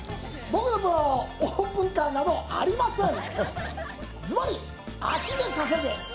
僕のプランはオープンカーなどありません